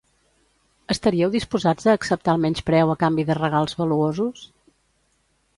Estaríeu disposats a acceptar el menyspreu a canvi de regals valuosos?